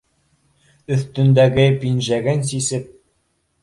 Өҫтөндәге пинжәген сисеп